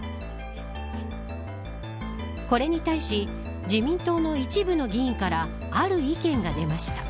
これに対し自民党の一部の議員からある意見が出ました。